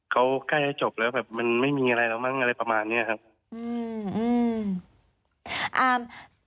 เขาใกล้จะจบแล้วแบบมันไม่มีอะไรแล้วมั้งอะไรประมาณเนี้ยครับอืมอ่า